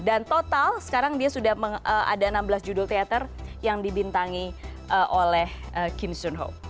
dan total sekarang dia sudah ada enam belas judul teater yang dibintangi oleh kim so eun ho